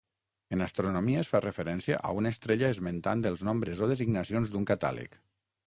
En astronomia es fa referència a una estrella esmentant els nombres o designacions d'un catàleg.